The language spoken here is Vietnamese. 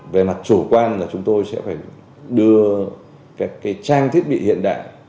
về mặt chủ quan là chúng tôi sẽ phải đưa các trang thiết bị hiện đại